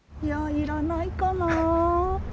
いらないかな。